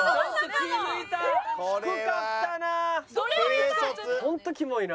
低かったな。